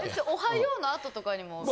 おはようのあととかにも。